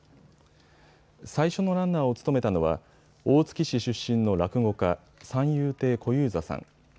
最初のランナーを務めたのは大月市出身の落語家、三遊亭小遊三さん。